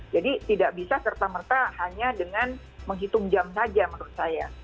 jadi tidak bisa serta merta hanya dengan menghitung jam saja menurut saya